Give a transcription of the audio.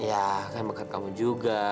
ya kan meket kamu juga